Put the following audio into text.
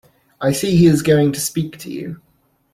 I see he is going to speak to you.